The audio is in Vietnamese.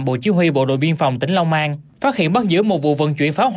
bộ chiêu huy bộ đội biên phòng tỉnh long an